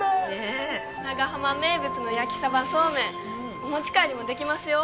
長浜名物の焼きさばそうめんお持ち帰りも出来ますよ。